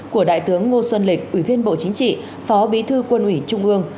của đại tướng ngô xuân lịch ủy viên bộ chính trị phó bí thư quân ủy trung ương